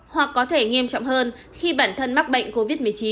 hoặc có thể nghiêm trọng hơn khi bản thân mắc bệnh covid một mươi chín